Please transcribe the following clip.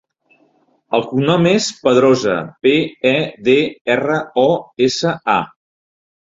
El cognom és Pedrosa: pe, e, de, erra, o, essa, a.